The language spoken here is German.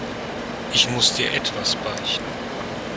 Ich muss dir etwas beichten.